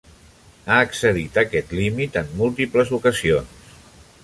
Ha excedit aquest límit en múltiples ocasions.